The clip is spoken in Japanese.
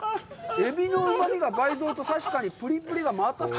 エビのうまみが倍増して、確かにプリプリがまた。